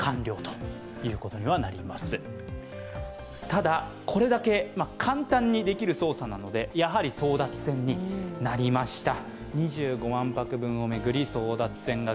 ただ、簡単にできる操作なのでやはり争奪戦になりました。